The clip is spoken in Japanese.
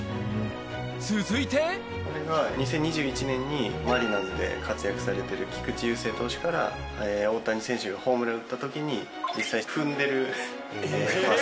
続いてこれが２０２１年にマリナーズで活躍されてる菊池雄星投手から大谷選手がホームラン打った時に実際に踏んでる。